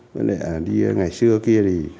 với lại là đi ngày xưa kia thì